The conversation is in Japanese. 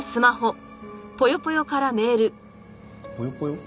「ぽよぽよ」？